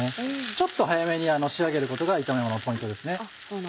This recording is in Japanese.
ちょっと早めに仕上げることが炒めもののポイントですね。